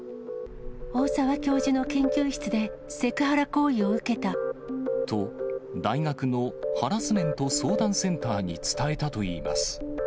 大沢教授の研究室でセクハラと、大学のハラスメント相談センターに伝えたといいます。